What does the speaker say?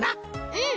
うん！